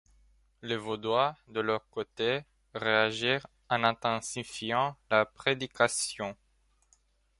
Les Vaudois, de leur côté, réagirent en intensifiant la prédication.